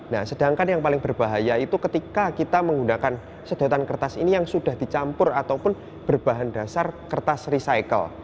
nah sedangkan yang paling berbahaya itu ketika kita menggunakan sedotan kertas ini yang sudah dicampur ataupun berbahan dasar kertas recycle